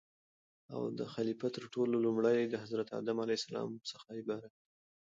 او داخليفه تر ټولو لومړى دحضرت ادم عليه السلام څخه عبارت دى